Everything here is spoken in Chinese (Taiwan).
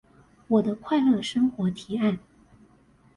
我的快樂生活提案